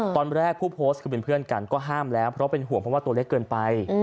ตอนแรกผู้โพสต์คือเป็นเพื่อนกันก็ห้ามแล้วเพราะเป็นห่วงเพราะว่าตัวเล็กเกินไป